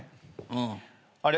うん。あれ？